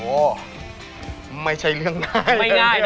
โอ้โหไม่ใช่เรื่องง่าย